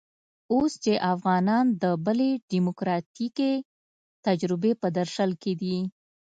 اوس چې افغانان د بلې ډيموکراتيکې تجربې په درشل کې دي.